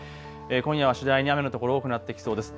今夜は次第に雨の所、多くなってきそうです。